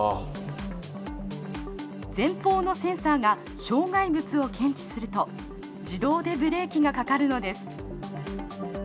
前方のセンサーが障害物を検知すると自動でブレーキがかかるのです。